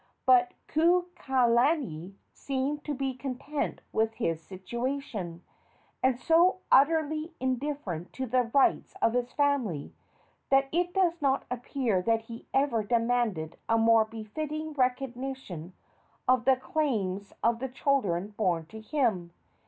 But Kukailani seemed to be content with his situation, and so utterly indifferent to the rights of his family that it does not appear that he ever demanded a more befitting recognition of the claims of the children born to him.